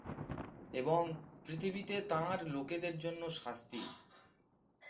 এবং পৃথিবীতে তাঁর লোকেদের জন্য শান্তি।